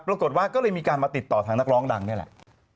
ปรากฏว่าก็เลยมีการมาติดต่อทางนักร้องดังนี่แหละ